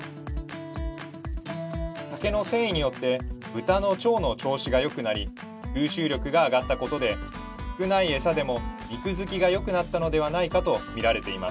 竹の繊維によって豚の腸の調子がよくなり吸収力が上がったことで少ないエサでも肉づきがよくなったのではないかと見られています